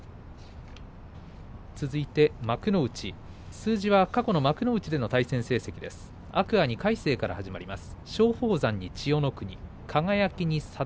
数字は過去の幕内での対戦成績です。